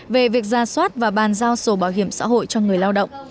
về việc ra soát và bàn giao sổ bảo hiểm xã hội cho người lao động